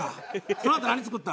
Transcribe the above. そのあと何作った？